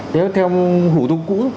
theo hủ tục cũ